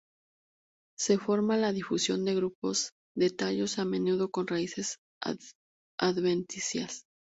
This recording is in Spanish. Se forma la difusión de grupos de tallos a menudo con raíces adventicias.